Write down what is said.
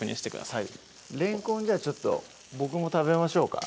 はいれんこんじゃあちょっと僕も食べましょうか？